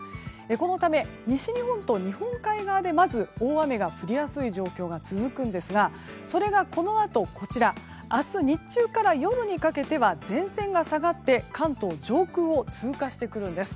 このため西日本と日本海側でまず大雨が降りやすい状況が続くんですがそれがこのあとこちら明日、日中から夜にかけては前線が下がって関東上空を通過してくるんです。